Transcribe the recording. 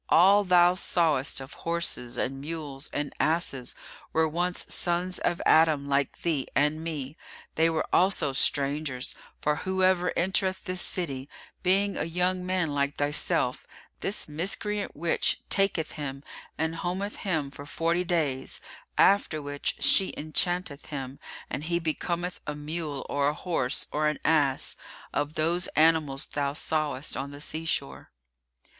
All thou sawest of horses and mules and asses were once sons of Adam like thee and me; they were also strangers, for whoever entereth this city, being a young man like thyself, this miscreant witch taketh him and hometh him for forty days, after which she enchanteth him, and he becometh a mule or a horse or an ass, of those animals thou sawest on the sea shore."